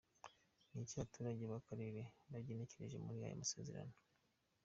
Ni iki abaturage b’akarere bategereje muri aya masezerano ?